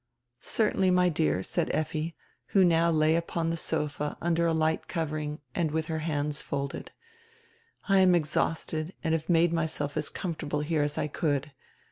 "Certainly, my dear," said Effi, who now lay upon die sofa under a light covering and widi her hands folded. "I am exhausted and have made myself as comfortable here as I could.